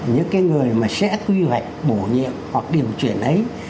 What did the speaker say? những cái người mà sẽ quy hoạch bổ nhiệm hoặc điều chuyển ấy